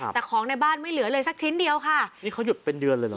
แต่ของในบ้านไม่เหลือเลยสักชิ้นเดียวค่ะนี่เขาหยุดเป็นเดือนเลยเหรอ